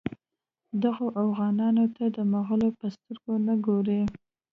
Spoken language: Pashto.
دغو اوغانانو ته د مغولو په سترګه نه ګوري.